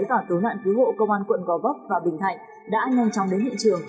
nạn cứu hộ công an quận gòi bốc và bình thạnh đã nhanh chóng đến hiện trường